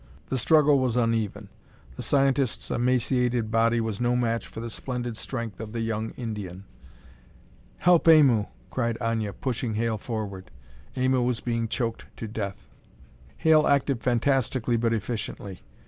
The struggle was uneven: the scientist's emaciated body was no match for the splendid strength of the young Indian. "Help Aimu!" cried Aña, pushing Hale forward. Aimu was being choked to death. Hale acted fantastically but efficiently.